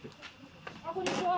こんにちは。